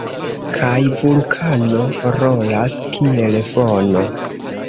Kaj vulkano rolas kiel fono.